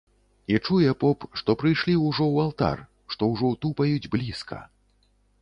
І чуе поп, што прыйшлі ўжо ў алтар, што ўжо тупаюць блізка.